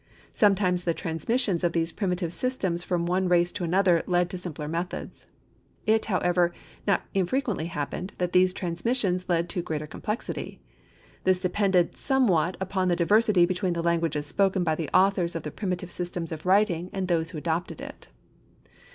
Sometimes the transmissions of these primitive systems from one race to another, led to simpler methods. It, however, not infrequently happened that these transmissions led to greater complexity. This depended somewhat upon the diversity between the languages spoken by the authors of the primitive system of writing and those who adopted it.